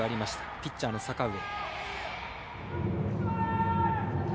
ピッチャーの阪上。